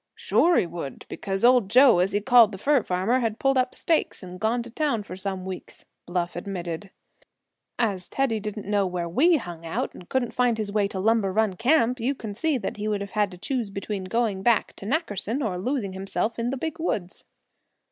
"Sure he would, because Old Joe, as he called the fur farmer, had pulled up stakes and gone to town for some weeks," Bluff admitted. "As Teddy didn't know where we hung out, and couldn't find his way to Lumber Run Camp, you can see that he would have had to choose between going back to Nackerson, or losing himself in the Big Woods."